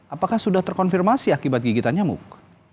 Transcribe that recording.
apakah sudah terkonfirmasi akibat gigitan nyamuk